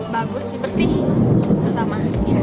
bagus bersih terutama